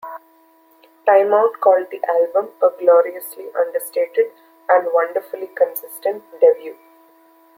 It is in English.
"Time Out" called the album a "gloriously understated and wonderfully consistent debut".